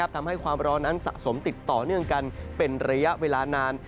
ความร้อนนั้นสะสมติดต่อเนื่องกันเป็นระยะเวลานาน